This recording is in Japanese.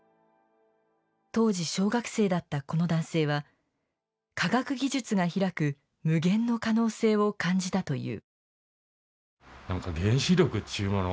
当時小学生だったこの男性は科学技術が開く無限の可能性を感じたという。